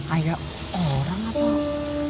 ada orang atau